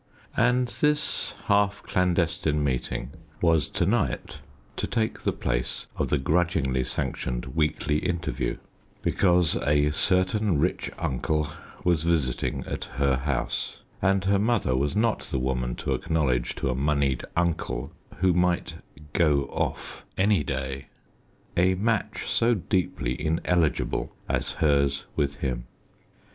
And this half clandestine meeting was to night to take the place of the grudgingly sanctioned weekly interview because a certain rich uncle was visiting at her house, and her mother was not the woman to acknowledge to a moneyed uncle, who might "go off" any day, a match so deeply ineligible as hers with him.